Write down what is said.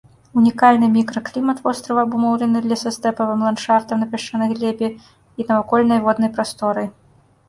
Унікальны мікраклімат вострава, абумоўлены лесастэпавым ландшафтам на пясчанай глебе і навакольнай воднай прасторай.